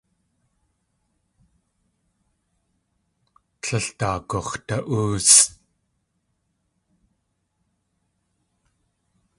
Tlél daagux̲da.óosʼ.